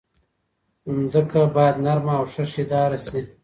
ځمکه باید نرمه او ښه شدیاره شي.